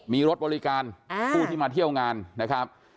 มีรถบริการผู้ที่มาเที่ยวงานนะครับ